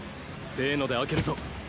せーので開けるぞ。